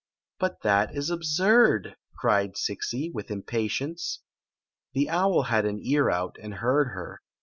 " But that is absurd !" cried Zixi. with impatience. The owl had an ear out, and heard her.